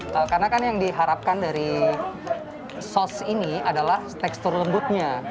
karena kan yang diharapkan dari sos ini adalah tekstur lembutnya